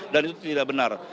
dan itu tidak benar